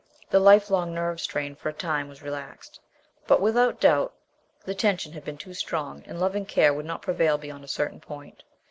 The life long nerve strain for a time was relaxed, but without doubt the tension had been too strong, and loving care could not prevail beyond a certain point.